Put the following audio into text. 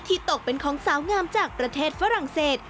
ตกเป็นของสาวงามจากประเทศฝรั่งเศส